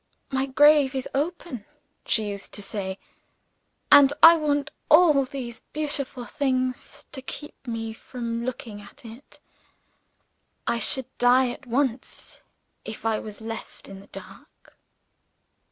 "My grave is open," she used to say; "and I want all these beautiful things to keep me from looking at it. I should die at once, if I was left in the dark."